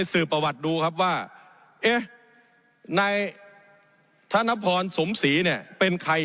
ต้องไปสื่อประวัติดูครับว่านายธนพรสมศรีเป็นใคร